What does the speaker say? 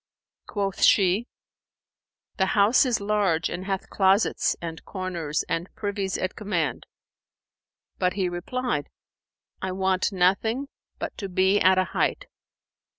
Quoth she, "The house is large and hath closets and corners and privies at command." But he replied, "I want nothing but to be at a height."